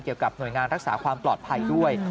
เกี่ยวกับหน่วยงานรักษาความปลอดภัยด้วย